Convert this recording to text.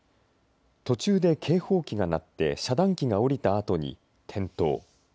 途中で警報機が鳴って遮断機が下りたあとに転倒。